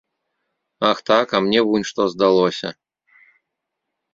Ах, так, а мне вунь што здалося.